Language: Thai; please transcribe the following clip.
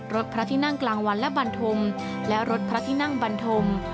พระที่นั่งกลางวันและบรรทมและรถพระที่นั่งบันทม